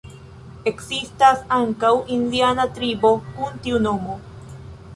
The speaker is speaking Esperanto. Ekzistas ankaŭ indiana tribo kun tiu nomo.